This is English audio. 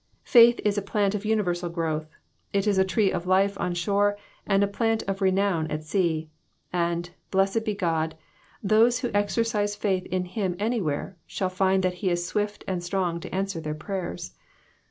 Faith is a plant of universal growth, it is a tree of life on shore and a plant of renown at sea ; and, blessed be God, those who exercise faith in him anywhere shall find that he is swift and strong to answer their prayers.